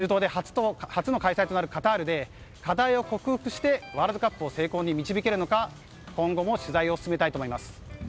中東で初の開催となるカタールで課題を克服してワールドカップを成功に導けるのか今後も取材を進めたいと思います。